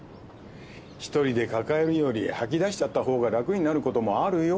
一人で抱えるより吐き出しちゃった方が楽になることもあるよ。